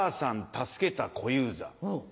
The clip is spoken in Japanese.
助けた小遊三。